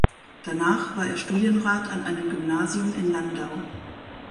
Danach war er Studienrat an einem Gymnasium in Landau.